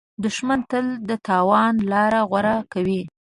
دښمن تل د تاوان لاره غوره کوي